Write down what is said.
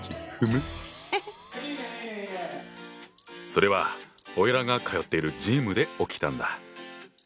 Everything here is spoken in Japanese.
それはオイラが通っているジムで起きたんだ。